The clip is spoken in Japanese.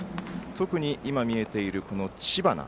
特に今見えている知花。